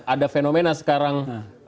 ada fenomena sekarang